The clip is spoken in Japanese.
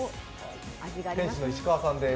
店主の石川さんです。